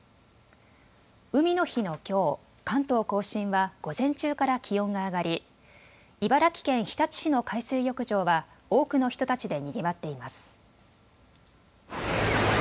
海の日のきょう、関東甲信は午前中から気温が上がり茨城県日立市の海水浴場は多くの人たちでにぎわっています。